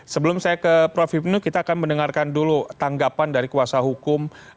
sebelum saya ke prof hipnu kita akan mendengarkan dulu tanggapan dari kuasa hukum